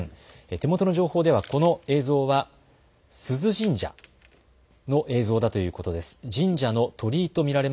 手元の情報ではこの映像はすず神社の映像だということです。